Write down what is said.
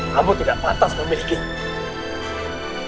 kamu tidak patah memilikinya